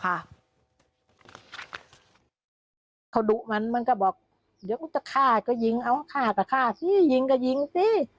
เขาดุมันมันก็บอกเดี๋ยวกูจะฆ่าก็ยิงเอาฆ่าก็ฆ่าสิยิงก็ยิงสิ